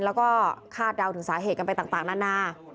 แล้วก็คาดเดาถึงสาเหตุกันไปต่างนานา